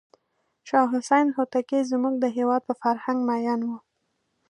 شاه حسین هوتکی زموږ د هېواد په فرهنګ مینو و.